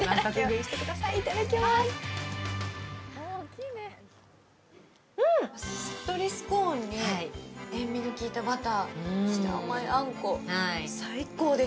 しっとりスコーンに塩みの効いたバター、そして甘いあんこ、最高です。